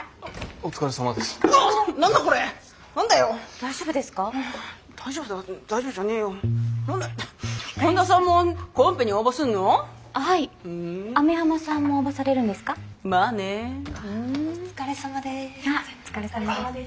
お疲れさまです。